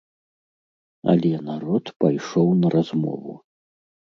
Але народ пайшоў на размову.